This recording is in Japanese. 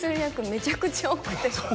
めちゃくちゃ多くて。